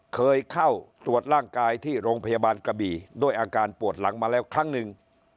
เคยเข้าตรวจร่างกายที่โรงพยาบาลกระบี่ด้วยอาการปวดหลังมาแล้วครั้งหนึ่ง